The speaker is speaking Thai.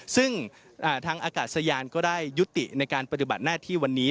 ซึ่งทางอากาศยานก็ได้ยุติในการปฏิบัติหน้าที่วันนี้